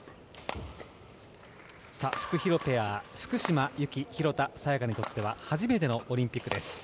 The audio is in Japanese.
フクヒロペア福島由紀、廣田彩花にとっては初めてのオリンピックです。